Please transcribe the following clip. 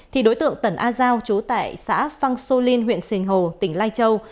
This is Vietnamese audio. thì đối tượng tần a giao chú tại xã phăng xô linh huyện sền hồ tỉnh lai châu